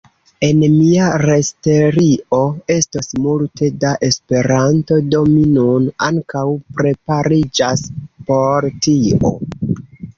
En mia retserio estos multe da Esperanto, do mi nun ankaŭ prepariĝas por tio.